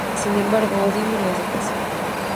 Sin embargo Odín no le hace caso.